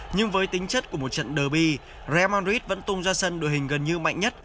nhưng với tính chất của một trận derby real madrid vẫn tung ra sân đội hình gần như mạnh nhất